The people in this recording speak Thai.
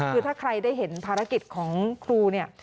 คือถ้าใครได้เห็นภารกิจของครูเนี่ย